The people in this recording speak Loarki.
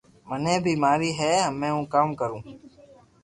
منو بي مارئي امي ھون ڪاوو ڪارو